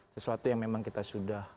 sesuatu yang memang kita sudah